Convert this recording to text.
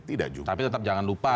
tidak tapi tetap jangan lupa